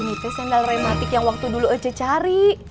ini teh sendal reumatik yang waktu dulu ece cari